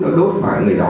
nó đốt vào người đó